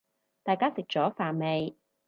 大家食咗飯未